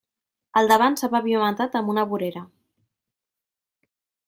El davant s'ha pavimentat amb una vorera.